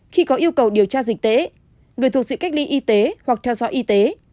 khi có yêu cầu điều tra dịch tễ người thuộc diện cách ly y tế hoặc theo dõi y tế